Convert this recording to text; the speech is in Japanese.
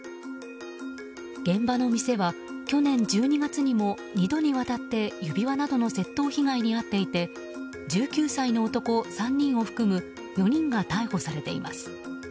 現場の店は去年１２月にも２度にわたって指輪などの窃盗被害に遭っていて１９歳の男３人を含む４人が逮捕されています。